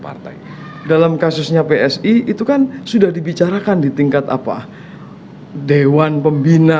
partai dalam kasusnya psi itu kan sudah dibicarakan di tingkat apa dewan pembina